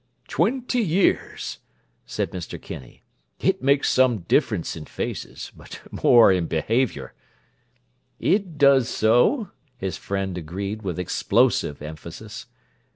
"Twenty years!" said Mr. Kinney. "It makes some difference in faces, but more in behaviour!" "It does so!" his friend agreed with explosive emphasis.